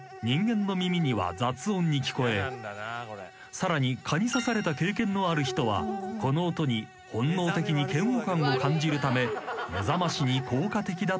さらに蚊に刺された経験のある人はこの音に本能的に嫌悪感を感じるため目覚ましに効果的だといいます］